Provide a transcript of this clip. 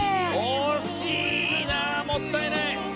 惜しいなもったいない。